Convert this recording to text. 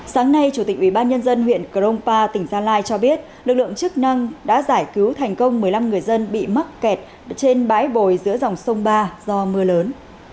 sáng nay chủ tịch ubnd huyện cờ rông pa tỉnh gia lai cho biết lực lượng chức năng đã giải cứu thành công một mươi năm người dân bị mắc kẹt trên bãi bồi giữa dòng sông ba do mưa lớn